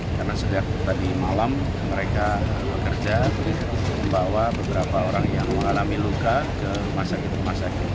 karena sejak tadi malam mereka bekerja membawa beberapa orang yang mengalami luka ke masyarakat masyarakat